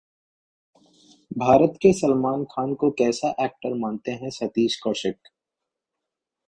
भारत के सलमान खान को कैसा एक्टर मानते हैं सतीश कौशिक?